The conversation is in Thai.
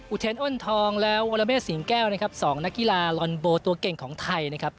เทรอ้นทองและวรเมฆสิงแก้วนะครับ๒นักกีฬาลอนโบตัวเก่งของไทยนะครับ